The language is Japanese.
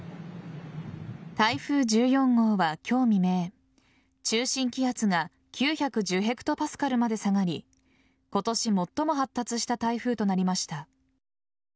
台風１４号は今日未明中心気圧が９１０ヘクトパスカルまで下がり今年最も発達した台風となりました。